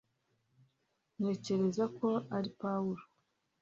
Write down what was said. ntekereza ko ari pawulo